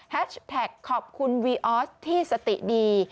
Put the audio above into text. แท็กขอบคุณวีออสที่สติดี